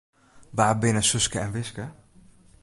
Wa binne Suske en Wiske?